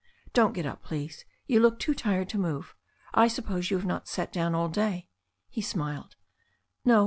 "Don't get up, please. You look too tired to move. I sup pose you have not sat down all day." He smiled. "No.